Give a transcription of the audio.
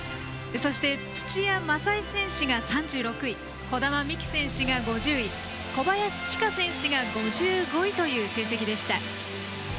そして土屋正恵選手が３６位児玉美希選手が５０位小林千佳選手が５５位という成績でした。